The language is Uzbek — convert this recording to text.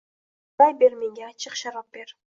May ber menga, achchiq sharob ber.